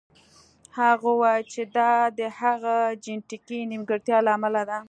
هغه وویل چې دا د هغه د جینیتیکي نیمګړتیا له امله ده